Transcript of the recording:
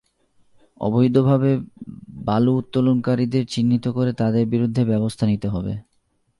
অবৈধভাবে বালু উত্তোলনকারীদের চিহ্নিত করে তাদের বিরুদ্ধে ব্যবস্থা নিতে হবে।